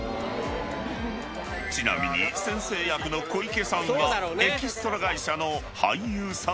［ちなみに先生役の小池さんは］ということで。